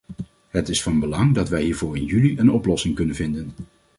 Het is van belang dat wij hiervoor in juli een oplossing kunnen vinden.